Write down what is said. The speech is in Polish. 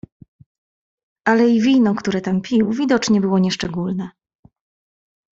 "Ale i wino, które tam pił, widocznie było nieszczególne."